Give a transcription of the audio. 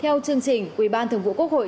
trong chương trình ủy ban thực vụ quốc hội